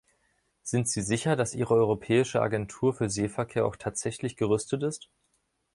Sind Sie sicher, dass Ihre Europäische Agentur für Seeverkehr auch tatsächlich gerüstet ist?